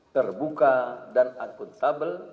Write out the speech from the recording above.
terbuka dan akuntabel